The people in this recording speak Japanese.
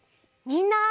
みんな！